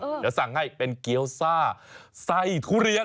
เดี๋ยวสั่งให้เป็นเกี้ยวซ่าใส่ทุเรียน